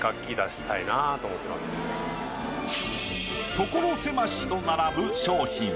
所狭しと並ぶ商品。